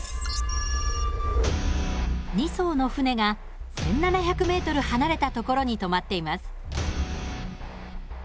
２そうの船が１，７００ｍ離れた所にとまっています。